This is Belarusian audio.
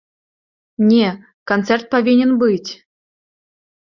Не, канцэрт павінен быць.